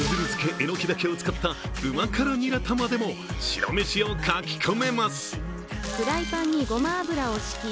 えのき茸を使ったうま辛にら玉でも白めしをかき込めます。